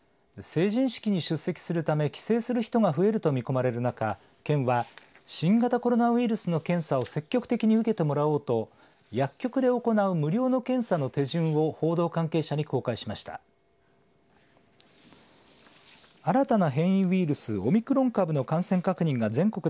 成人式に出席するため帰省する人が増えると見込まれる中、県は新型コロナウイルスの検査を積極的に受けてもらおうと薬局で行う無料の検査の手順を報道関係者に公開しました。